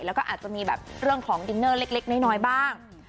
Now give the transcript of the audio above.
แล้วก็อาจจะมีแบบเรื่องของดินเนอร์เล็กน้อยบ้าง